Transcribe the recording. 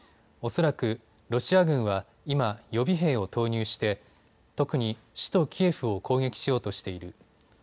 恐らくロシア軍は今、予備兵を投入して特に首都キエフを攻撃しようとしている。